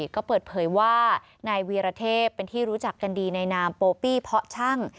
ก็เปิดเผยว่านายวีรเทพเป็นที่รู้จักกันดีในนามโปปี้เพาะช่าง